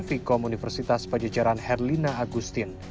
vikom universitas pajajaran herlina agustin